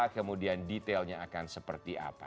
kemudian detailnya akan seperti apa